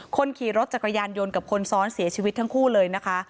คนขี่รถจักรยานยนต์กับคนซ้อนเสียชีวิตทั้งคู่เลยนะคะ